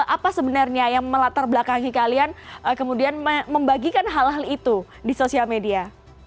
apa sebenarnya yang melatar belakangi kalian kemudian membagikan hal hal itu di sosial media